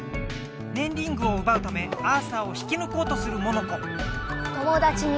ねんリングをうばうためアーサーを引きぬこうとするモノコ友だちになってやる！